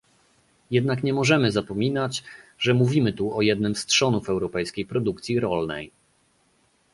Jednak nie możemy zapominać, że mówimy tu o jednym z trzonów europejskiej produkcji rolnej